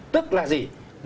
tức là gì